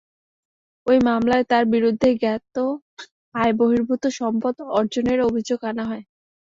ওই মামলায় তাঁর বিরুদ্ধে জ্ঞাত আয়বহির্ভূত সম্পদ অর্জনের অভিযোগ আনা হয়।